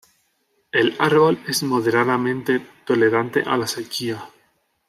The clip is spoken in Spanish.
El árbol es moderadamente tolerante a la sequía.